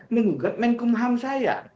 mengugat menkum ham saya